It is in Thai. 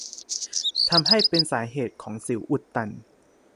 ทำให้เป็นสาเหตุของสิวอุดตัน